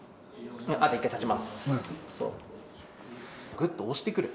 ぐっと押してくる。